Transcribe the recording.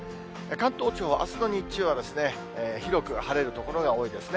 関東地方、あすの日中はですね、広く晴れる所が多いですね。